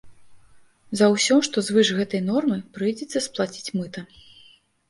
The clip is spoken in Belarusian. За ўсё, што звыш гэтай нормы, прыйдзецца сплаціць мыта.